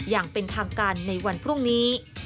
อย่างเป็นทางการในวันพรุ่งนี้